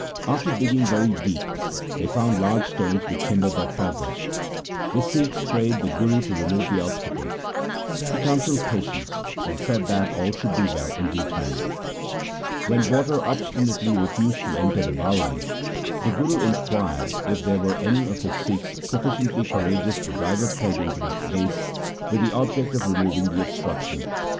After digging very deep they found large stones which hindered their progress. The Sikhs prayed the Guru to remove the obstacle. He counselled patience, and said that all should be well in due time. When water obstinately refused to enter the Bawali, the Guru inquired if there were any of his Sikhs sufficiently courageous to drive a peg into its base with the object of removing the obstruction.